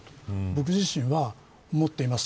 僕自身は思っています。